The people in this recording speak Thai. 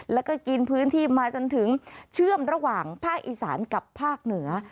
แล้วก็กินพื้นที่มาจนถึงเชื่อมระหว่างภาคอีสานกับภาคเหนือ